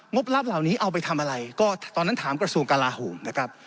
บลับเหล่านี้เอาไปทำอะไรก็ตอนนั้นถามกระทรวงกลาโหมนะครับ